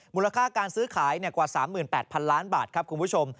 มูลค่าการซื้อขายกว่า๓๘๐๐๐ล้านบาทครับคุณผู้ชม